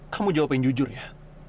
kamu jawab yang jujur ya